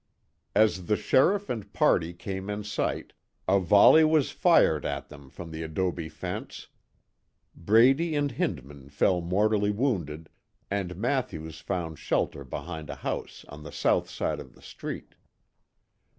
As the sheriff and party came in sight, a volley was fired at them from the adobe fence. Brady and Hindman fell mortally wounded, and Mathews found shelter behind a house on the south side of the street.